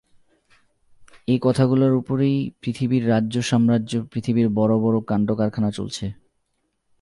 এই কথাগুলোর উপরেই পৃথিবীর রাজ্য-সাম্রাজ্য, পৃথিবীর বড়ো বড়ো কাণ্ডকারখানা চলছে।